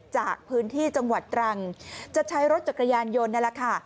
จากพื้นที่จังหวัดตรังจะใช้รถจักรยานยนต์นั่นแหละค่ะ